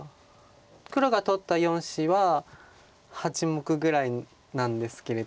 黒が取った４子は８目ぐらいなんですけれども。